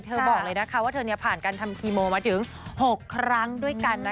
บอกเลยนะคะว่าเธอผ่านการทำคีโมมาถึง๖ครั้งด้วยกันนะคะ